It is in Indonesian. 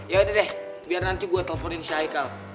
yaudah deh biar nanti gue teleponin si haikal